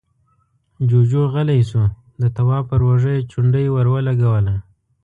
جُوجُو غلی شو، د تواب پر اوږه يې چونډۍ ور ولګوله: